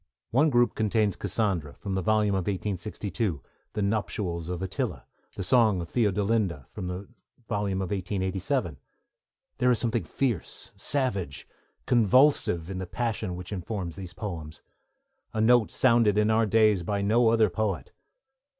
One group contains Cassandra, from the volume of 1862, The Nuptials of Attila, The Song of Theodolinda, from the volume of 1887. There is something fierce, savage, convulsive, in the passion which informs these poems; a note sounded in our days by no other poet.